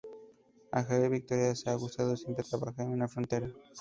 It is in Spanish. A Javier Vitoria le ha gustado siempre trabajar en la frontera.